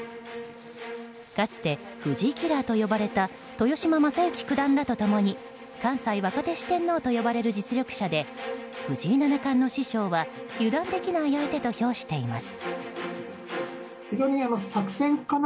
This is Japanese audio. かつて藤井キラーと呼ばれた豊島将之九段らと共に関西若手四天王と呼ばれる実力者で藤井七冠の師匠は油断できない相手と評しています。